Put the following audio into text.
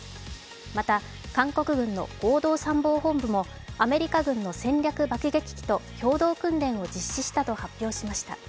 また韓国軍の合同参謀本部もアメリカ軍の戦略爆撃機と共同訓練を実施したと発表しました。